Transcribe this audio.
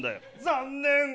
残念。